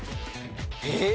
えっ！